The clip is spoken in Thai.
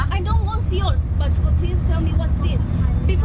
พี่หนูบอกพี่เป็นอะไรใช่ไหมว่าเอ็งกอฮอล์ฉีดมือ